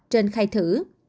trên khai thử